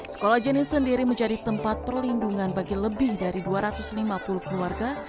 sekolah jenis sendiri menjadi tempat perlindungan bagi lebih dari dua ratus lima puluh keluarga